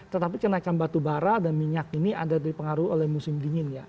tetapi kenaikan batubara dan minyak ini ada dipengaruhi musim dingin ya